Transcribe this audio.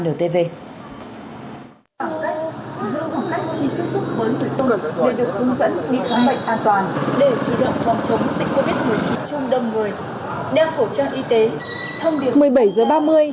để được hướng dẫn đi khóa bệnh an toàn để truy động phòng chống dịch covid một mươi chín chung đâm người